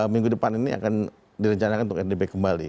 minggu depan ini akan direncanakan untuk rdp kembali